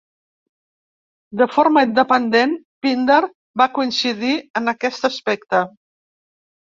De forma independent, Píndar, va coincidir en aquest aspecte.